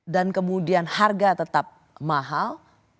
dan kemudian harga tetap mahal